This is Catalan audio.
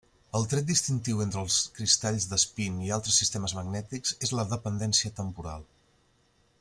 El tret distintiu entre els cristalls d'espín i altres sistemes magnètics és la dependència temporal.